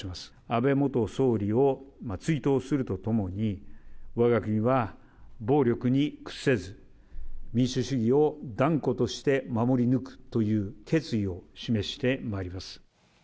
安倍元総理を追悼するとともに、わが国は暴力に屈せず、民主主義を断固として守り抜くという決意を示してまいります。